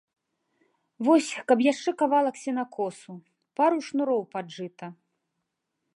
Вось, каб яшчэ кавалак сенакосу, пару шнуроў пад жыта.